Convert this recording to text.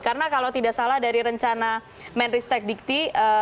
karena kalau tidak salah dari rencana menristek dikti